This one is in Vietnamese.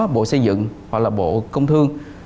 bộ xây dựng hoặc là bộ công thương